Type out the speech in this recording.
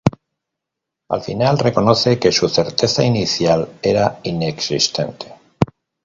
Al final reconoce que su certeza inicial era inexistente.